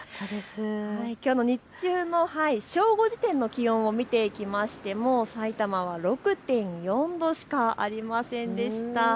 きょうの日中の正午時点の気温を見ていきましてもさいたまは６．４度しかありませんでした。